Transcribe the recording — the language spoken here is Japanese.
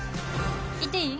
いっていい？